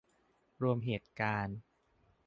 รวมเหตุการณ์